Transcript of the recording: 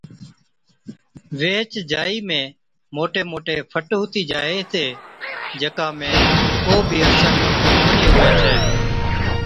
ويهچ جائِي ۾ موٽي موٽي فٽ هُتِي جائي هِتي، جڪا ۾ ڪو بِي اثر ڪونهِي هُوَي ڇَي۔